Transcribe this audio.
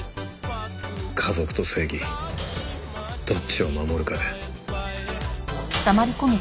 家族と正義どっちを守るかで。